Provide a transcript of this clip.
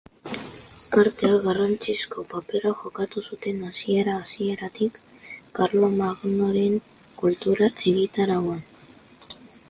Arteak garrantzizko papera jokatu zuten hasiera-hasieratik Karlomagnoren kultura egitarauan.